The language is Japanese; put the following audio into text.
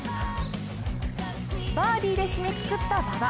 バーディーで締めくくった馬場。